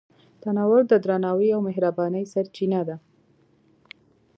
تنور د درناوي او مهربانۍ سرچینه ده